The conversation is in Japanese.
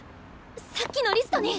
さっきのリストに！